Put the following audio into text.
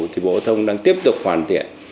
thì bộ dân sông vận tải đang tiếp tục hoàn thiện